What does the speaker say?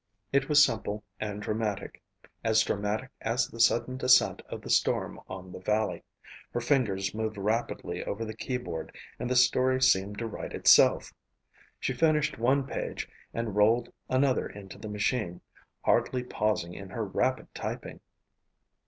It was simple and dramatic, as dramatic as the sudden descent of the storm on the valley. Her fingers moved rapidly over the keyboard and the story seemed to write itself. She finished one page and rolled another into the machine, hardly pausing in her rapid typing.